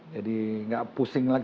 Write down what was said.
jadi nggak pusing lagi